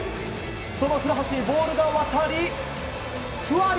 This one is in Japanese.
その古橋にボールが渡り、ふわり。